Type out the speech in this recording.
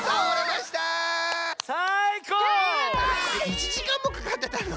１じかんもかかってたの？